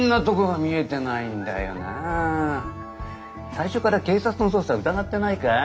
最初から警察の捜査疑ってないかい？